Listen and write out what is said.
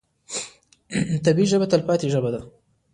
طبیعي ژبه تلپاتې ژبه ده.